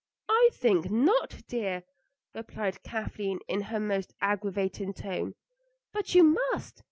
"I think not, dear," replied Kathleen in her most aggravating tone. "But you must.